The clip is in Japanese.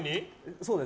そうです。